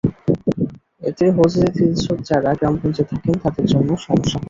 এতে হজে যেতে ইচ্ছুক যাঁরা গ্রামগঞ্জে থাকেন, তাঁদের জন্য সমস্যা হবে।